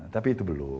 tapi itu belum